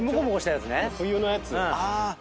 冬のやつ。